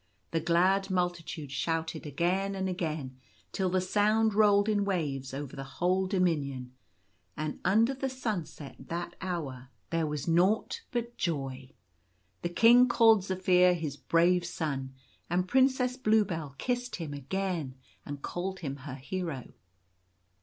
The glad multitude shouted again and again, till the sound rolled in waves over the whole Dominion, and Under the Sunset that hour there 42 The Roses bloom. was naught but joy. The King called Zaphir his Brave Son; and Princess Bluebell kissed him again, and called him her Hero.